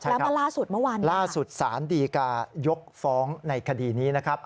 แล้วมาล่าสุดเมื่อวานนี้ล่าสุดสารดีกายกฟ้องในคดีนี้นะครับ